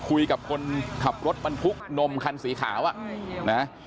คุยกับคนขับรถบรรทุกนมคันสีขาวอ่ะนะ